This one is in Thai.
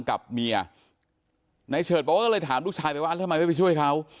กับเมียนายเฉิดบอกว่าก็เลยถามลูกชายไปว่าทำไมไม่ไปช่วยเขา